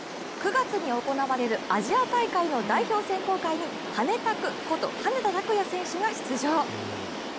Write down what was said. ９月に行われるアジア大会の代表選考会にハネタクこと羽根田卓也選手が出場。